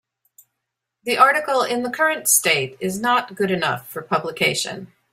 The article in the current state is not good enough for publication.